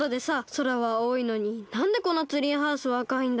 空は青いのになんでこのツリーハウスはあかいんだろう？